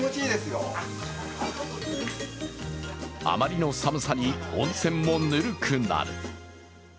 あまりの寒さに温泉もぬるくなる。